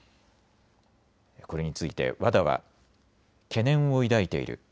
これについてＷＡＤＡは懸念を抱いている。